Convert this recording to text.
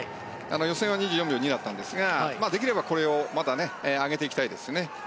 予選は２４秒２だったんですができればこれをまた上げていきたいですね。